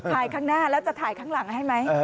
ถ่ายข้างหน้าแล้วจะถ่ายข้างหลังไหม